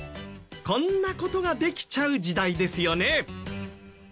こんな事ができちゃう時代ですよね。